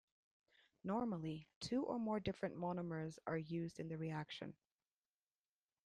Normally, two or more different monomers are used in the reaction.